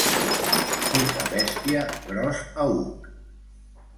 Xica bèstia, gros aüc.